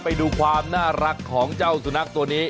ไปดูความน่ารักของเจ้าสุนัขตัวนี้